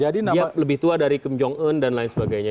dia lebih tua dari kim jong un dan lain sebagainya